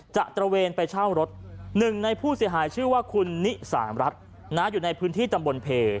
ตระเวนไปเช่ารถหนึ่งในผู้เสียหายชื่อว่าคุณนิสามรัฐอยู่ในพื้นที่ตำบลเพ